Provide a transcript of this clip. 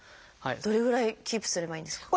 どれぐらいキープすればいいんですか？